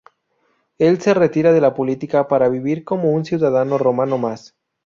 Él se retira de la política para vivir como un ciudadano romano más.